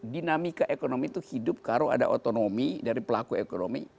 dinamika ekonomi itu hidup kalau ada otonomi dari pelaku ekonomi